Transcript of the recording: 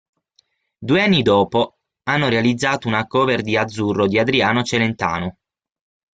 Due anni dopo hanno realizzato una cover di "Azzurro" di Adriano Celentano.